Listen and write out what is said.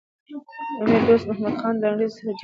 امیر دوست محمد خان له انګریزانو سره جګړه وکړه.